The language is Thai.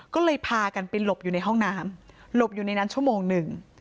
ก็เลยพากันไปหลบอยู่ในห้องน้ำหลบอยู่ในนั้นชั่วโมงหนึ่ง